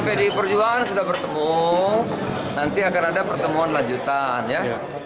pdi perjuangan sudah bertemu nanti akan ada pertemuan lanjutan ya